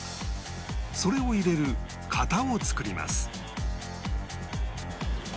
それを入れる型を作ります